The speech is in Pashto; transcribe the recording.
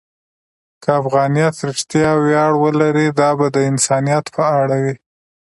که افغانیت رښتیا ویاړ ولري، دا به د انسانیت په اړه وي.